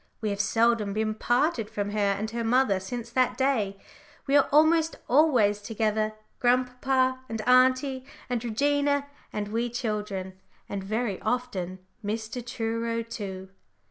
We have seldom been parted from her and her mother since that day; we are almost always together, grandpapa and auntie and Regina and we children, and very often Mr. Truro too.